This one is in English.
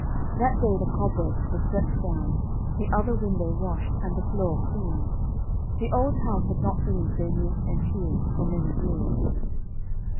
That day the cobwebs were swept down, the other window washed, and the floor cleaned. The old house had not been so neat and cheery for many years.